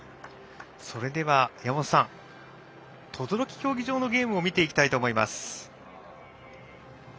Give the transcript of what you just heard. それでは山本さん等々力競技場のゲームを見ていきたいと思います。